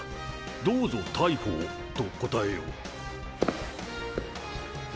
どうぞ逮捕をと答えよう。